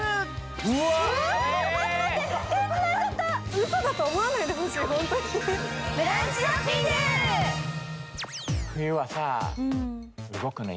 うそだと思わないでほしい。